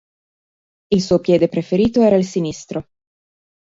Il suo piede preferito era il sinistro.